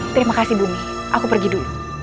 terima kasih bumi aku pergi dulu